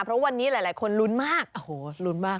เพราะวันนี้หลายคนลุ้นมากโอ้โหลุ้นมาก